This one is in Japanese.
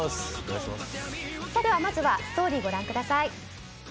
では、まずはストーリーご覧ください。